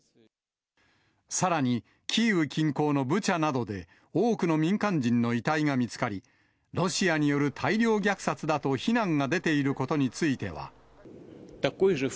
さらに、キーウ近郊のブチャなどで、多くの民間人の遺体が見つかり、ロシアによる大量虐殺だと非難が出ていることについては。